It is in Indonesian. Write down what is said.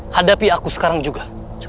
hadapi aku sekarang juga